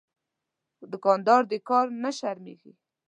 دوکاندار د کار نه شرمېږي.